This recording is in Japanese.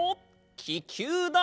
ききゅうだ！